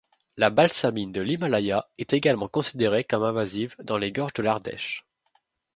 La Balsamine de l'Himalaya est également considérée comme invasive dans les Gorges de l'Ardèche.